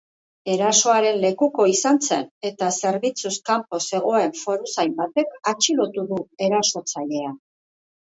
Erasoaren lekuko izan zen eta zerbitzuz kanpo zegoen foruzain batek atxilotu du erasotzailea.